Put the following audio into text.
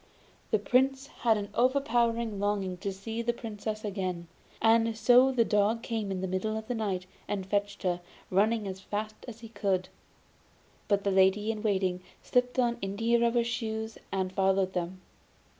The Soldier had an overpowering longing to see the Princess again, and so the dog came in the middle of the night and fetched her, running as fast as he could. But the lady in waiting slipped on india rubber shoes and followed them.